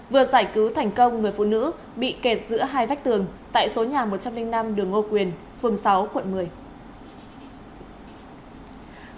vừa giải cứu thành công người phụ nữ bị kẹt giữa hai vách tường tại số nhà một trăm linh năm đường ngô quyền phường sáu quận một mươi